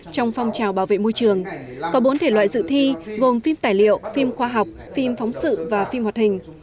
trong phong trào bảo vệ môi trường có bốn thể loại dự thi gồm phim tài liệu phim khoa học phim phóng sự và phim hoạt hình